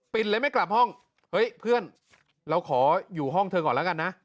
เลยไม่กลับห้องเฮ้ยเพื่อนเราขออยู่ห้องเธอก่อนแล้วกันนะ